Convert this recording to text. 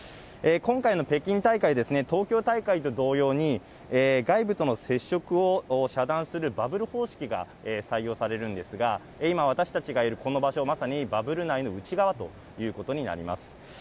今回の北京大会ですね、東京大会と同様に、外部との接触を遮断するバブル方式が採用されるんですが、今、私たちがいるこの場所、まさにバブル内の内側ということになります。